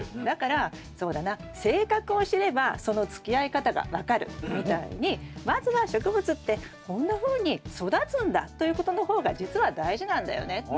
だからそうだな性格を知ればそのつきあい方が分かるみたいにまずは植物ってこんなふうに育つんだということの方が実は大事なんだよね。